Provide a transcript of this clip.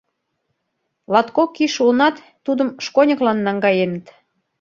Латкок ий шуынат, тудым шконьыклан наҥгаеныт.